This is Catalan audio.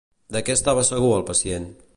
De què estava segur el pacient?